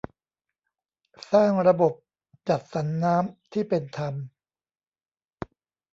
สร้างระบบจัดสรรน้ำที่เป็นธรรม